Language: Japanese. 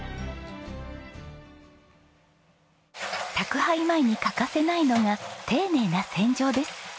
宅配前に欠かせないのが丁寧な洗浄です。